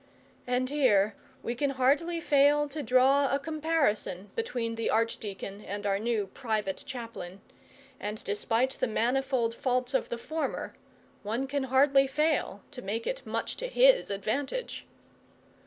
And here we can hardly fail to draw a comparison between the archdeacon and our new private chaplain; and despite the manifold faults of the former, one can hardly fail to make it much to his advantage.